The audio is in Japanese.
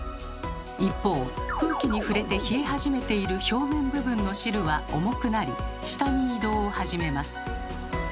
一方空気に触れて冷え始めている表面部分の汁は重くなり下に移動を始めます。